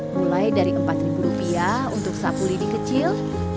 mulai dari empat rupiah untuk sapu lidi kecil